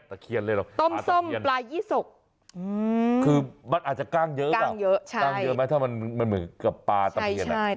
ตะเพียนเลยหรอกปลาตะเพียนอืมคือมันอาจจะกล้างเยอะกับมันเหมือนกับปลาตะเพียน